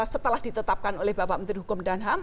setelah ditetapkan oleh bapak menteri hukum dan ham